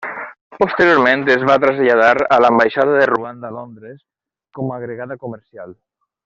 Posteriorment, es va traslladar a l'ambaixada de Ruanda a Londres com a agregada comercial.